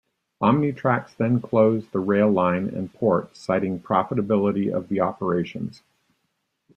Omnitrax then closed the rail-line and port, citing profitability of the operations.